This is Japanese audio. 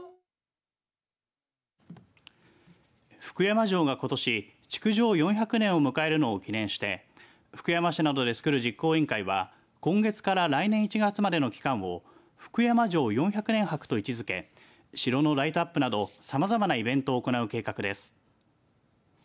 福山城が、ことし築城４００年を迎えるのを記念して福山市などで作る実行委員会は今月から来年１月までの期間を福山城４００年博と位置付け白のライトアップなどさまざまなイベントを行う計画です。